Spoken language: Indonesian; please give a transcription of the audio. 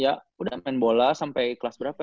ya udah main bola sampai kelas berapa ya